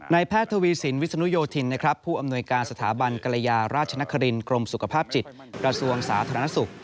แพทย์ทวีสินวิศนุโยธินผู้อำนวยการสถาบันกรยาราชนครินกรมสุขภาพจิตกระทรวงสาธารณสุข